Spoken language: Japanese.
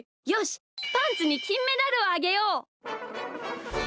パンツにきんメダルをあげよう。